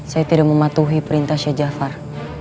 saya tidak mematuhi perintah syah jafar